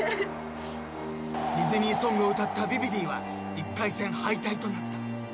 ［ディズニーソングを歌ったビビディは１回戦敗退となった］